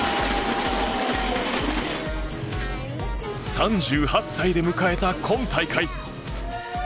３８歳で迎えた今大会。